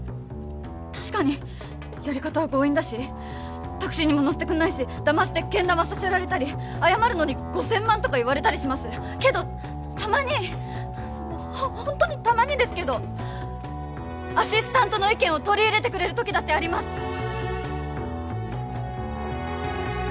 確かにやり方は強引だしタクシーにも乗せてくんないしだましてけん玉させられたり謝るのに５０００万とか言われたりしますけどたまにホントにたまにですけどアシスタントの意見を取り入れてくれるときだってあります